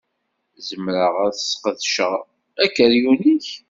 Zemreɣ ad ssqedceɣ akeryun-ik?